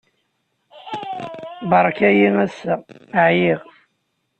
Beṛka-iyi ass-a. ɛyiɣ.